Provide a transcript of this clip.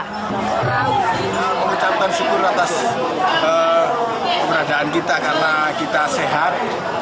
kita mengucapkan syukur atas keberadaan kita karena kita sehat